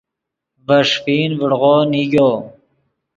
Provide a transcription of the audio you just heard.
ڤے ݰیفین ڤڑو نیگو